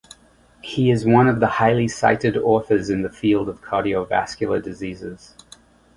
He is one of the highly cited authors in the field of cardiovascular diseases.